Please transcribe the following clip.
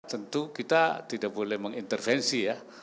tentu kita tidak boleh mengintervensi ya